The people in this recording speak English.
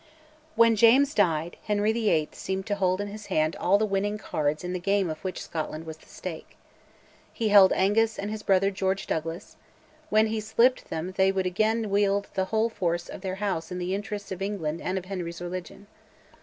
When James died, Henry VIII. seemed to hold in his hand all the winning cards in the game of which Scotland was the stake. He held Angus and his brother George Douglas; when he slipped them they would again wield the whole force of their House in the interests of England and of Henry's religion.